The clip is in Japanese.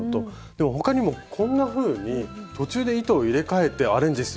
でも他にもこんなふうに途中で糸を入れかえてアレンジすることもできるんですよ。